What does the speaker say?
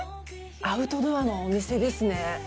アウトドアのお店ですね。